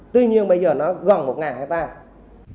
tuy nhiên bây giờ nó gần một hectare